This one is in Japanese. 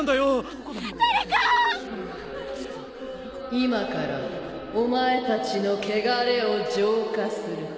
・今からお前たちの穢れを浄化する。